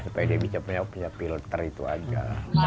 supaya dia bisa punya filter itu aja